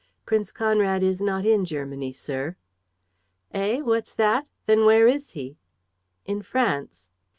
"Prince Conrad is not in Germany, sir." "Eh? What's that? Then where is he?" "In France."